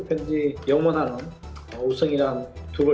dan mereka akan lebih baik